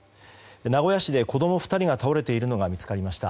名古屋市で子供２人が倒れているのが見つかりました。